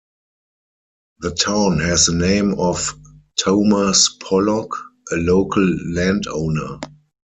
The town has the name of Thomas Pollock, a local landowner.